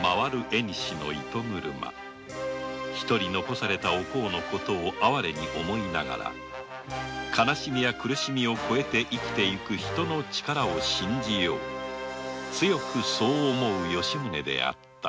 えにしの糸車一人残されたおこうのことを哀れに思いながら悲しみや苦しみを越えて生きて行く人の力を信じよう強くそう思う吉宗であった